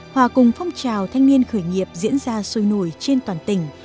hòa cùng phong trào thanh niên khởi nghiệp diễn ra sôi nổi trên toàn tỉnh